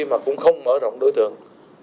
mà cũng không mở rộng đối tượng